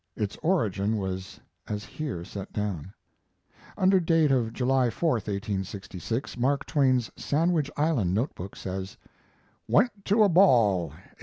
Its origin was as here set down. Under date of July 4 (1866), Mark Twain's Sandwich Island note book says: Went to a ball 8.